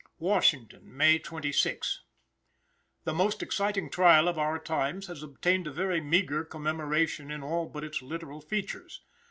Washington, May 26. The most exciting trial of our times has obtained a very meager commemoration in all but its literal features.